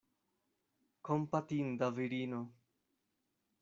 Kompatinda virino!